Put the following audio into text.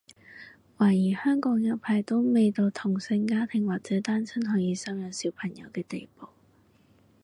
懷疑香港有排都未到同性家庭或者單親可以收養小朋友嘅地步